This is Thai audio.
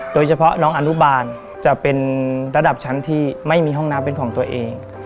โดยเฉพาะน้องอนุบาลจะเป็นระดับชั้นที่ไม่มีห้องน้ำเป็นของตัวเอง